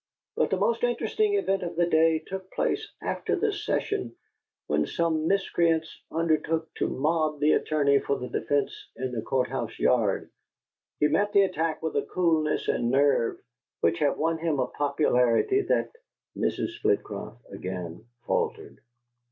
But the most interesting event of the day took place after the session, when some miscreants undertook to mob the attorney for the defence in the Court house yard. He met the attack with a coolness and nerve which have won him a popularity that '" Mrs. Flitcroft again faltered.